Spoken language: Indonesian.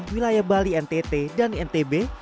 wilayah bali ntt dan ntb